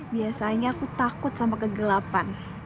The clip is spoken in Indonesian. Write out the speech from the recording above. biasanya aku takut sama kegelapan